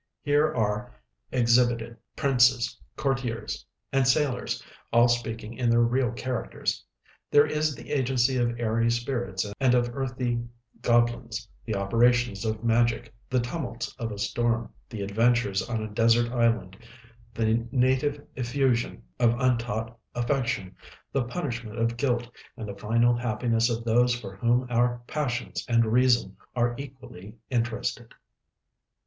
Here are exhibited princes, courtiers, and sailors, all speaking in their real characters. There is the agency of airy spirits and of earthy goblins, the operations of magic, the tumults of a storm, the adventures on a desert island, the native effusion of untaught affection, the punishment of guilt, and the final happiness of those for whom our passions and reason are equally interested."